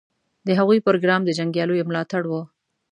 د هغوی پروګرام د جنګیالیو ملاتړ و.